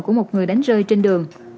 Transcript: của một người đánh rơi trên đường